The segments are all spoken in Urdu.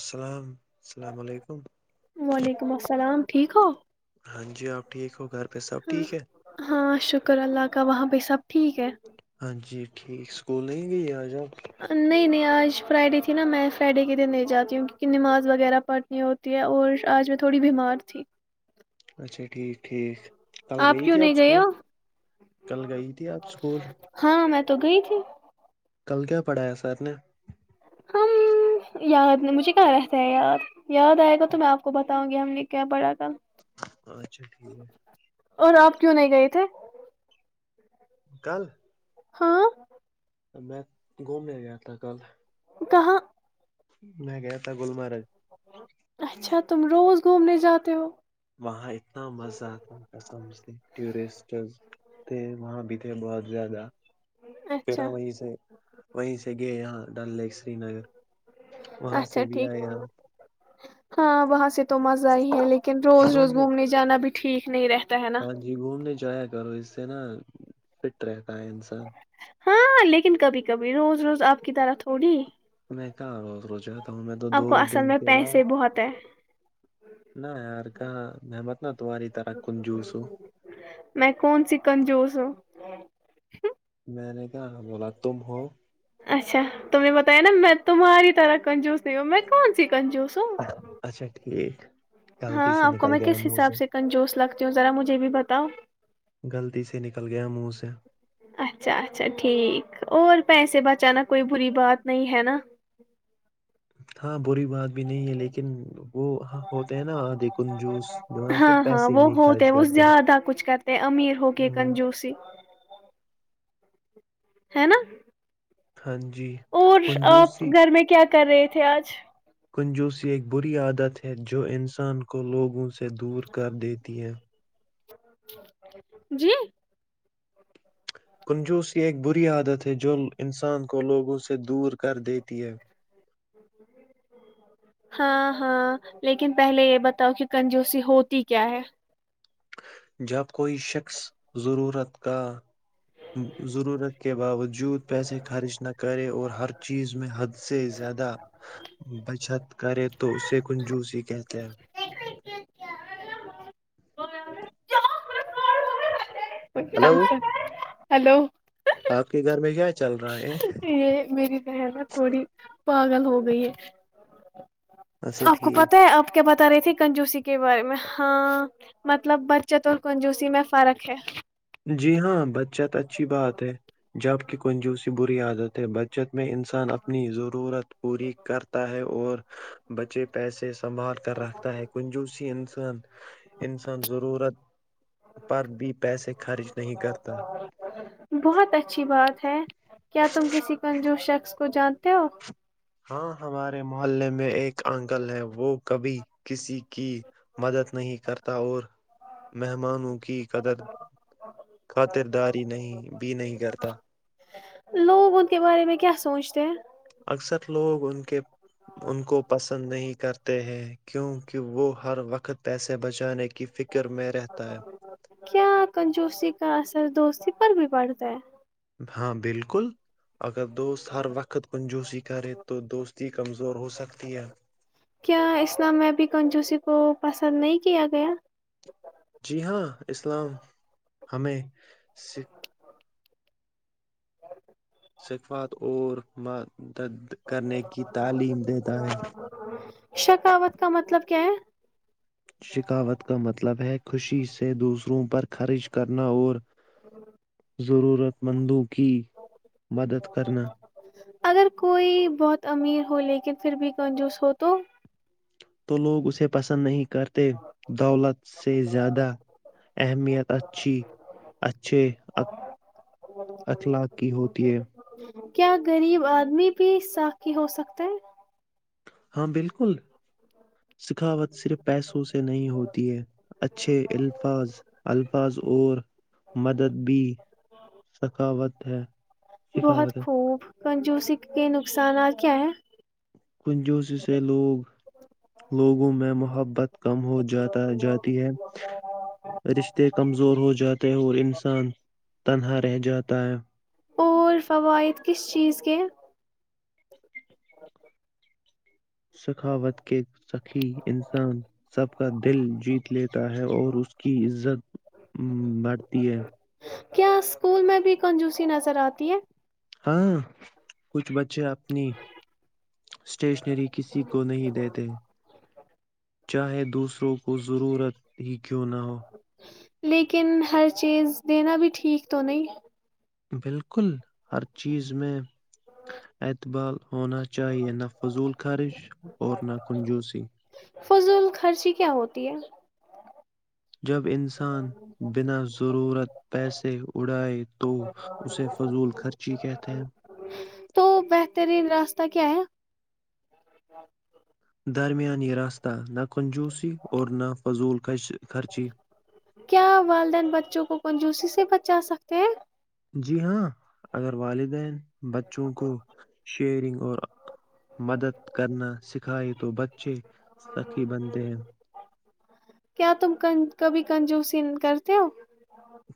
السلام السلام علیکم وعلیکم السلام ٹھیک ہو ہاں جی آپ ٹھیک ہو گھر پہ سب ہاں ٹھیک ہے ہاں شکر اللہ کا وہاں سب ٹھیک ہے ہاں جی ٹھیک اسکول نہیں گئی آج آپ نہیں نہیں آج فرائیڈے تھی نا میں فرائیڈے کے دن نہیں جاتی ہوں کیون نماز وغیرہ پڑنی ہوتی ہے اور آج میں تھوڑی بیمار تھی اچھا ٹھیک ٹھیک کل آپ گئی کیوں تھی نہیں گئے اسکول ہو کل گئی تھی آپ اسکول ہاں میں تو گئی تھی کل کیا پڑھایا سر نے ہم یاد مجھے کیا رہتا ہے یاد یاد آئے گا تو میں آپ کو بتاؤں گی ہم نے کیا پڑھا تھاا اچھا ٹھیک ہے اور آپ کیوں نہیں گئے تھے کل ہاں میں گھومنے گیا تھا کل کہاں میں گیا تھا گللمرگ اچھا تم روز گھومنے جاتے ہو وہاں اتنا مزہ تھا قسم سے ٹورسٹ تھے وہاں بھی بہت زیادہ پھر اچھا ہم وہیں سے وہیں سے گئے یہاں ڈل لیک سری نگر وہاں سے اچھا بھی ٹھیک آئے ہم ہاں وہاں سے تو مزہ ہی ہے لیکن روز روز گھومنے جانا بھی ٹھیک نہیں رہتا ہے نا جی گھومنے جایا کرو اس نا فٹ رہتا ہے انسان ہاں لیکن کبھی کبھی روز روز آپ کی طرح تھوڑی میں کہاں روز روز میں تو دو آپ کو اصل دن میں کے بعد پیسے بہت ہے نہ یار کا میں مت نا تمہاری طرح کنجوس ہو ہ [inaudible] میں نے کہا تھا بولا تم ہو اچھا تم نے بتایا نا میں تمہاری طرح کنجس [unintelligible] میں کون سی کنجو ہو اچھا ٹھیک غلطی ہاں سے آپ کو نکل میں گیا کس منہ حساب سے کنجوس لگتی ہوں ذرا مجھے بھی بتاؤ غلطی سے نکل گیا منہ سے اچھا اچھا ٹھیک اور پیسے بچانا کوئی بری بات نہیں ہے نا ہاں [inaudible] بری بات بھی نہیں ہے لیکن وہاں ہوتے ہیں نا آدھ کنجس جو ہے نا پھر ہاں ہاں پیسے ہی وہ نہیں خرچ ہوتے وہ کرتے زیادہ کچھ کرتے امیر ہو کے ہاں کنجوسی ہے نا [inaudible] ہاں جی اور کنجو س آپ گھر میں کیا کر رہے تھے آج کنجوسی ایک بری عادت ہے جو انسان کو لوگوں سے دور کر دیتی ہیں جی کنجوسی ایک بری عادت ہے جو انسان کو لوگوں سے دور کر دیتی ہے ہاں ہاں لیکن پہلے یہ بتاؤ کہ کنجوسی ہوتی کیا ہے جب کوئی شخص ضرورت کا ضرورت کے باوجود پیسے خرچ نہ کریں اور ہر چیز میں حد سے زیاد بچت کرے تو اسے کنجوس ہی کہتے ہیں ہلو [unintelligible] ہیلو آپ کے گھر میں کیا چل رہا ہے یہ میری کہہن نا تھوڑی پاگل ہو گئی ہے اچھا آ کو ٹھیک پتہ ہے آپ کیا بات ت رہے تھی کنجوسی کے بارے میں ہاں مطلب بچت اور کنجوسی میں فرق ہے جی ہاں بچت اچھی بات ہے جبک کنج س بری عادت ہے بچت میں انسان اپنی ضرورت پوری کرتا ہے اور [unintelligible] بچے پیسے سے سنبھال کر رکھتا ہے کنجوسی انسان ضرورت پر بھی پیسے کے خار نہیں کرتا بہت اچھی بات ہے کیا تم کسی کنجوش شخص کو جانتے ہو ہاں ہمارے محلے میں میں ایک انکل ہے وہ کبھی کسی کی مدد نہیں کرتا اور مہمانوں کی خاطرداری بھی نہیں کرتا لوگوں کے بارے میں کیا سوچتے ہیں اکثر لوگ ان کے ان کو پسند نہیں کرتے ہی کیونکہ وہ ہر وقت پیسے بچانے کے کیا کنجوسی کا اثر دوستی پر بھی پڑتا ت ہاں بالکل اگر دوست ہر وقت کنجوسی کرے تو دوستی کمزور ہو سکتی ہے کیا اسلام میں بھی کنجوسی کو پسند نہیں کیا گیا جی ہاں اسلام ہمیں س [inaudible] سکھفات اور م [unintelligible] دیتا ہے شکاوت کا مطلب کیا ہے شکاوت کا مطلب ہے کہ کہ خوشی سے دوسروں پر خرچ کرنا اور ضرورت مندوں کی مدد کرنا اگر کوئی بہت امیر ہو لیکن پھر بھی کنجوس ہو تو تو لوگ اسے پسند نہیں کرتے دولت سے زیادہ اہمیت اچھی اچھے اخلاق کی ہوتی ہے کیا غریب آدمی بھی ساخی ہو سکتا ہے ہاں بالکل سکھاوت صرف پیسوں سے نہیں ہوتی ہے اچھے الفاظ الفاظ اور مدد بھی سخاوت ہے [unintelligible] بہت سکھاوت ہے خوب کنجوسی کے نقصانات کیا ہے کن جوش سے لوگ لوگوں میں محبت کم ہو جاتا جاتی ہے رشتے کمزور ہو جاتے ہیں اور انسان تنہا رہ جاتا ہے [unintelligible] اور فوائد کس چیز کے [inaudible] سخاوت کے سخی انسان سب کا دل جیت لیتا ہے اور اس کی عزت بڑھتی ہے کیا اسکول میں بھی کنجوسی نظر آتی ہے ہاں کچھ بچے اپنی اسٹیشنری کسی کو نہیں دیتے چاہے دوسروں کو ضرورت ہی کیوں نہ ہو لیکن ہر چیز دینا بھی ٹھیک تو نہیں بالکل ہر چیز میں اعتبال ہونا چاہیے نفر فضول خارج اور نا کن جوسی فضول خرچی کیا ہوتی ہے جب انسان بنا ضرورت پیسے اڑائے تو اسے فضول خرچی کہتے ہیں تو بہترین راستہ کیا ہے درمیان یہ راستہ ن [unintelligible] کنجوسی اور نہ فضول خرچی کیا جا سکتے ہیں جی ہاں اگر والدین بچوں کو شیئرنگ اور مدد کرنا سکھائے تو بچے سکی بنتے ہیں کیا تم کبھی کنجوسن کرتے ہو؟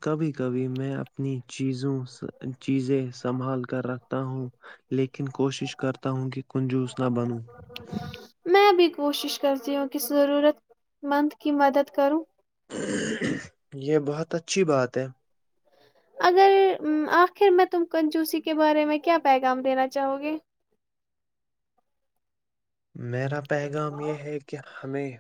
کبھی کبھی میں اپنی چیز [unintelligible] چیزیں سنبھال کر رکھتا ہوں لیکن کوشش کرتا ہوں کہ کنجس نہ بنوں میں بھی کوشش کرتی ہوں کہ ضرورت مند کی مدد کروں یہ بہت اچھی بات ہے اگر آخر میں تم کن چوسی کے بارے میں کیا پیغام دینا چاہو گے میرا پیغام یہ ہے کہ ہمیں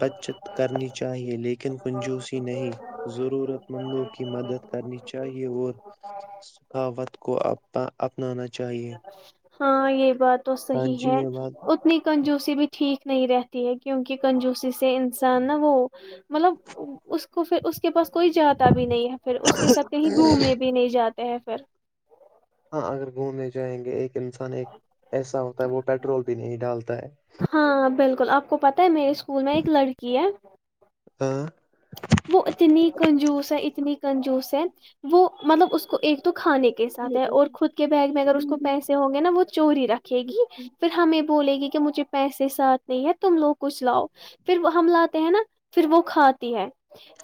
بچت کرنی چاہیے لیکن کنجوسی نہیں ضرورت مندوں کی مدد کرنی چاہیے اور ثقاوت کو اپنانا چاہیے ہاں یہ بات تو ہاں صحیح جی ہے یہ بات اتنی کنجوسی بھی ٹھیک ہے نہیں رہتی ہے کیونکہ کنجوسی سے انسان نا وہ مطلب اس کو پھر اس کے پاس کوئی جاتا بھی نہیں ہے پھر اس کے ساتھ کہیں گھومنے بھی نہیں جاتے ہیں سر ہاں اگر گھومنے جائیں گے ایک انسان ایک ایسا ہوتا ہے وہ پیٹرول بھی نہیں ڈالتا ہے ہاں بالکل بالکل آپ کو پتہ ہے میرے اسکول میں ایک لڑکی ہے ہاں وہ اتنی کنجوس ہے اتنی کنجوس ہے وہ مطلب اس کو ایک تو کھانے کے ساتھ ہے اور خود کے بیگ میں اگر اس کو پیسے ہوں گے نا وہ چوری رکھے گی پھر ہم یہ بولے گی کہ کہ مجھے پیسے ساتھ نہیں ہے تم لوگ کچھ لاؤ پھر ہم لاتے ہیں نا پھر وہ کھاتی ہے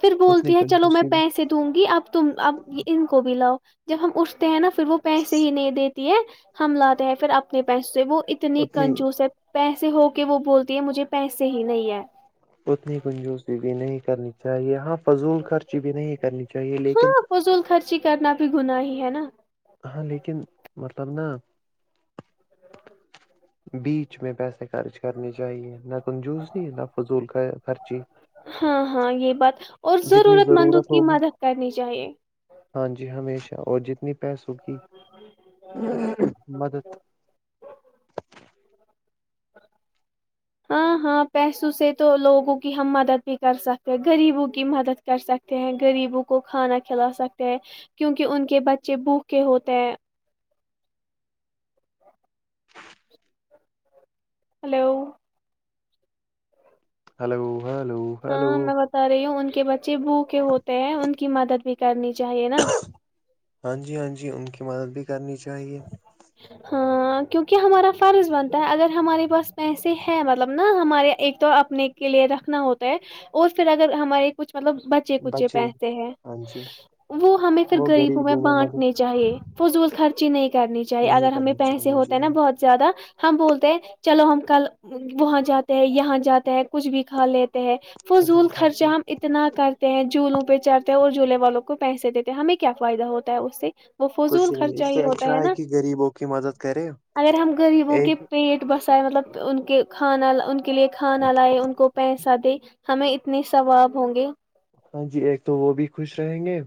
پھر اتنی بولتی ہے چلو میں کنجوسی بھی پیسے دوں گی اب تم اب ان کو بھی لاؤ جب ہم اٹھتے ہیں نا پھر وہ پیسے ہی نہیں دیتی ہے ہم لاتے ہیں پھر اپنے پیسے سے وہ اتنی کنجوس ہے پیسے ہوگ کہ وہ بولتی ہے مجھے پیسے ہی نہیں ہے اتنی کنجو س تھی نہیں کرنی چاہیے آپ فضول خرچی بھی نہیں کرنی چاہیے لیکن کوئی گنا ہی ہے نا ہاں لیکن مطلب نا ا [inaudible] بیچ میں پیسے خرچ کرنے چاہیے نہ کن جوز نہ فضول کا خرچی ہاں ہاں یہ بات اور جتنی ضرورت مندوں کی ہوگی مدد کرنی چاہیے ہاں جی ہمیشہ اور جتنی پیس ہوی مدد [inaudible] ہاں ہاں پیسوں سے تو لوگوں کی ہم مدد بھی کر سکتے غریبوں کی مدد کر سکتے ہیں غریبوں کو کھانا کھلا سکتے ہیں کیونکہ ان کے بچے بوکھے ہوتے ہیں ہلو ہلو ہلو ہاں ہلو میں بتا رہی ہوں ان کے بچے بو کے ہوتے ہیں ان کی مدد بھی کرنیاہ ہاں جی ہاں جی ان کے مدد بھی کرنی چاہیے ہ کیونکہ ہمارا فرض بنتا ہے اگر ہمارے پاس پیسے ہیں مطلب نا ہمارے ایک تو اپنے کے لیے رکھنا ہوتا ہے اور پھر اگر ہمارے کچھ مطلب بچے کچے پہس ہیں ہاں جی وہ ہمیں پھر غریبوں میں بانٹنے چاہیے فضول خرچ جی نہیں کرنی چاہیے نہیں اگر ہمیں کرنی پیسے چاہیے جی ہوتے ہیں نا ہاں بہت زیادہ ہم بولتے ہیں چلو ہم کل وہاں جاتے ہیں یہاں جاتے ہیں کچھ بھی کھا لی ہیں وہ فضول جول خرچ خرچہ ہم اتنا کرتے ہیں جولوں پہ چڑتے ہیں اور جولے پ والوں کو پیسے دیتے ہیں ہمیں کیا فائدہ ہوتا ہے اس سے وہ فضول کچھ خ نہیں اس سے ہوتا ہے اچھا نا کہ غریبوں کی مدد کرے اگر ہم گغریبوں ایک کے پیٹ بسائے مطلب ان کے کھان آ ان کے لیے کھانا لائے ان کو پیسہ د ہمیں اتنے ثواب ہوں گے ہاں جی ایک تو وہ بھی خوش رہیں گے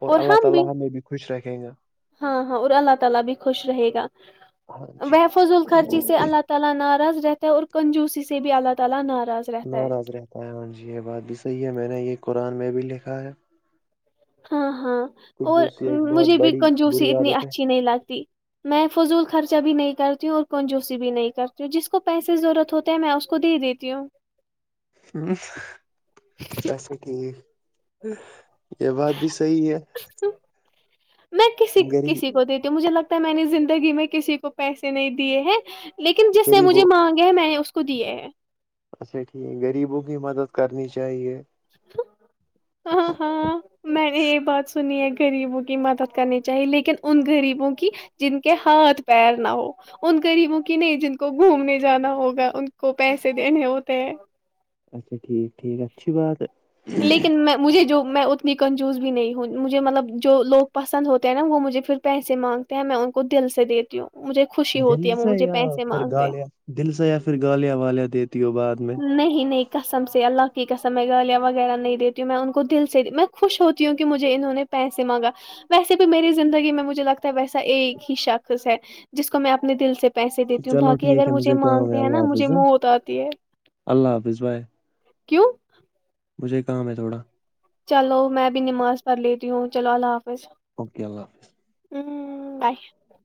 اور اللہ تعا لا نے بھی خوش رکھ [unintelligible] ہاں ہاں اور اللہ تعا لا بھی خوش رہے گا ہاں جی وہحفض ال خرچی سے اللہ تعا لا ناراض رہتا ہے اور کنجوسی سے بھی اللہ تعالی نہ ناراض رہتا ہے من جی یہ بات بھی صحی ہے میں نے یہ قرآن میں بھی لکھا ہے ہاں ہاں اور کنجوسی ایک بہت مجھے بھی بڑی کنجوسی بری اتنی عادت اچھی نہیں لگتی میں فضول خرچہ بھی نہیں کرتی ہوں اور کونجوسی بھی نہیں کرتی ہوں جس کو پیسے ضرورت ہوتے ہیں میں اس کو دے دیتی ہوں ہ ویسے کہ [unintelligible] یہ بات بھی صحی ہے میں کسی کسی غریب کو دیتی ہوں مجھے لگتا میں نے زندگی میں کسی کو پیسے نہیں دیے ہیں لیکن جس نے مجھے غریبوں مانگے ہے میں نے کوودے ہے اچھا ٹھیک غریبوں کی مدد کرنی چاہیے ہاں ہاں میں نے یہ بات سنی ہےگ غریبوں کی مدد کرنی چاہیے لیکن ان غریبوں کی جن کے ہاتھ پیر نہ ہو ان غریبوں کی نہیں جن کو گھومنے جانا ہوگا ان کو پیسے دینے ہوتے ہیں اچھا ٹھیک ٹھیک اچھی بات لیکن میں مجھے جو میں لیکن جوس بھی نہیں ہو مجھے مطلب جو لوگ پسند ہوتے ہیں نا وہ مجھے پھر پیسے مانگتے ہیں میں ان کو دل سے دیتی ہوں مجھے خوشی دل ہوتی ہے وہ سے مجھے یا پیسے پھر مانگتے ہیں گالیا دل سے یا پھر گالیا والیا دی تو بعد میں کسم سے اللہ کی قسم میں گالیاں وغیرہ نہیں دیتی ہوں میں ان کو دل سے میں خوش ہوتی ہوں کہ مجھے انہوں نے پیسے مانگا ویسے بھی میری زندگی میں مجھے لگتا ہے ویسا ایک ہی شخص ہے جس کو میں اپنے دل سے پیسے دیتی ہوں چلو باقی اگر ٹھیک ہے مجھے کام مانگتے ہے ہیں اللہ نا مجھے حافظ منہت آتی ہے اللہ حافظ بائے کیوں مجھے کام ہے تھوڑا چلو میں بھی نماز پ لیتی ہوں چلو اللہ حافظ اوکے اللہ حافظ ہوں بائے [unintelligible]